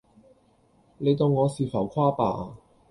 你當我是浮誇吧